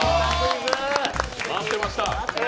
待ってました！